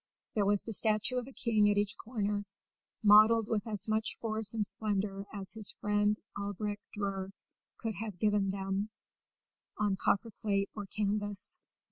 There was the statue of a king at each corner, modelled with as much force and splendour as his friend Albrecht Dürer could have given unto them on copperplate or canvas.